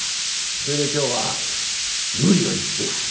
それで今日は無理を言って。